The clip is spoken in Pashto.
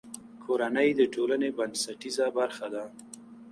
کورنۍ د ټولنې بنسټیزه برخه ده.